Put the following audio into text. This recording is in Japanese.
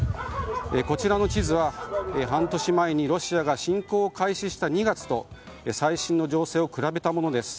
こちらの地図は半年前にロシアが侵攻を開始した２月と最新の情勢を比べたものです。